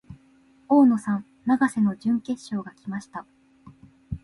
大野さん、永瀬の準決勝が来ました。